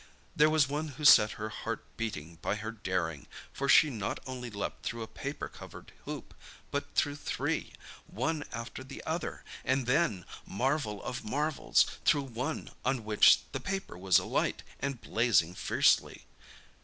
There was one who set her heart beating by her daring, for she not only leaped through a paper covered hoop, but through three, one after the other, and then—marvel of marvels—through one on which the paper was alight and blazing fiercely!